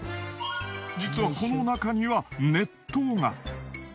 実はこの中には熱湯が。